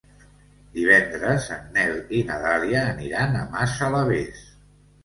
Divendres en Nel i na Dàlia aniran a Massalavés.